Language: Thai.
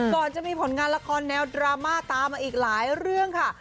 ก่อนจะมีผลงานละครแนวดราม่าตามมาอีกหลายเรื่องค่ะ